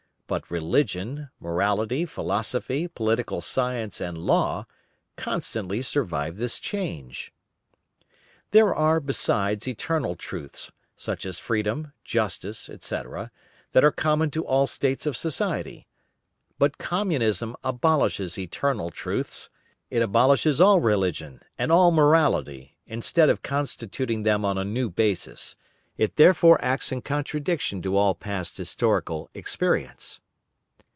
But religion, morality philosophy, political science, and law, constantly survived this change." "There are, besides, eternal truths, such as Freedom, Justice, etc. that are common to all states of society. But Communism abolishes eternal truths, it abolishes all religion, and all morality, instead of constituting them on a new basis; it therefore acts in contradiction to all past historical experience."